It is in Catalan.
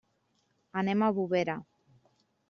Anem a Bovera.